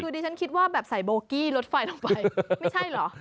คือดิฉันคิดว่าแบบใส่โบกี้ลดไฟลงไปไม่ใช่เหรอ